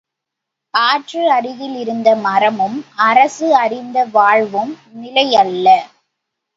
ஆற்று அருகில் இருந்த மரமும் அரசு அறிந்த வாழ்வும் நிலை அல்ல.